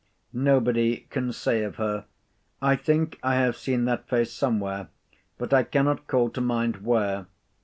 Nobody can say of her, "I think I have seen that face somewhere, but I cannot call to mind where."